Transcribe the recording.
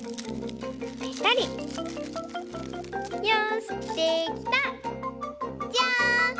よしできた！じゃん！